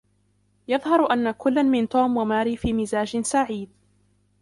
يظهر أن كلًّا من توم وماري في مزاج سعيد.